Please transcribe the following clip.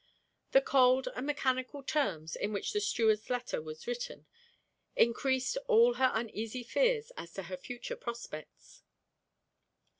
The cold and mechanical terms in which the steward's letter was written, encreased all her uneasy fears as to her future prospects.